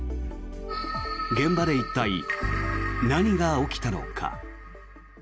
現場で一体、何が起きたのか。